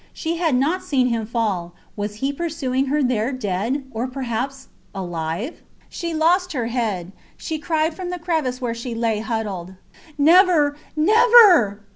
She had not seen him fall. Was he pursuing her there dead, or perhaps ... alive? She lost her head. She cried from the crevice where she lay huddled, Never, never!